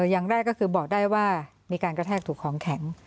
อย่างแรกก็คือบอกได้ว่ามีการกระแทกถูกของแข็ง